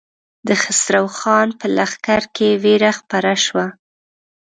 د خسرو خان په لښکر کې وېره خپره شوه.